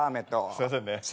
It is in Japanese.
すいませんね。